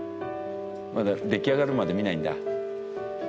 出来上がるまで見ないんだ。